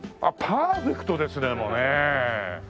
パーフェクトですねもうね。